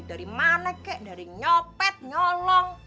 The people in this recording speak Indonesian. dari mana kek dari nyopet nyolong